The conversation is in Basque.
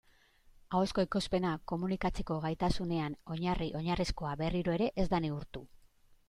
Ahozko ekoizpena, komunikatzeko gaitasunean oinarri-oinarrizkoa, berriro ere ez da neurtu.